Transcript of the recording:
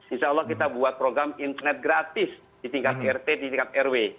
insya allah kita buat program internet gratis di tingkat rt di tingkat rw